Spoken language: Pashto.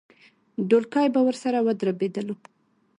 ډولکی به ورسره ودربېدلو.